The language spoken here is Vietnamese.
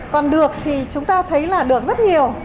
còn được thì chúng ta thấy là được rất nhiều